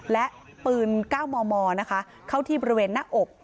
และปืนก้าวมอนะคะเข้าที่บริเวณหน้าอก